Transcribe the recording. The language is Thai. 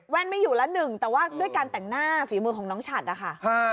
ไม่อยู่ละหนึ่งแต่ว่าด้วยการแต่งหน้าฝีมือของน้องฉัดนะคะ